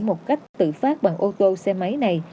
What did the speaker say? một cách tự phát bằng ô tô xe máy này